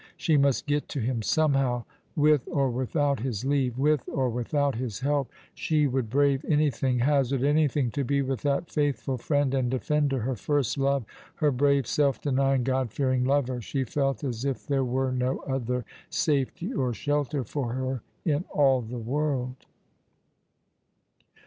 She must get to him somehow, with or without his leave — with or without his help. She would 56 All along the River. brave anything, hazard anything to be with that faithful friend and defender — her first love— her brave, self denying, God fearing lover. She felt as if there were no other safety or shelter for her in all the world.